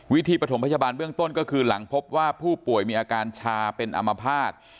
วิธีปฐมพยาบาลเบื้องต้นก็คือหลังพบว่าผู้ป่วยมีอาการชาเป็นอมภาษณ์